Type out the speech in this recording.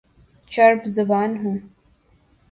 چرب زبان ہوں